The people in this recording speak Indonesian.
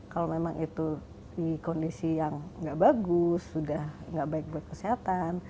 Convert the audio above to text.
kalau memang itu di kondisi yang nggak bagus sudah nggak baik buat kesehatan